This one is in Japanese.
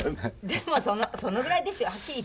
でもそのぐらいですよはっきり言って。